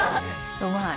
うまい。